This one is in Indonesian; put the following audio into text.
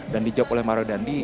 dan dijawab oleh mario dandwi